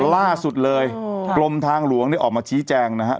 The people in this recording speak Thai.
ล่าสุดเลยกรมทางหลวงเนี่ยออกมาชี้แจงนะครับ